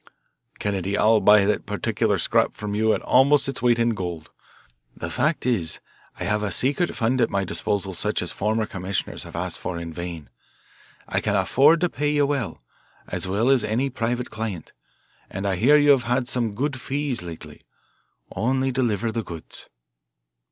"Kennedy, I'll buy that particular scrap from you at almost its weight in gold. The fact is, I have a secret fund at my disposal such as former commissioners have asked for in vain. I can afford to pay you well, as well as any private client, and I hear you have had some good fees lately. Only deliver the goods."